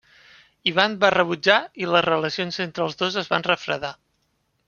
Ivan va rebutjar i les relacions entre els dos es van refredar.